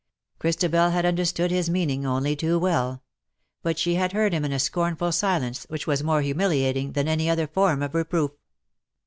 Christabel had understood his meaning only too well ; but she had heard him in a scornful silence which was more humiliating than any other form of reproof.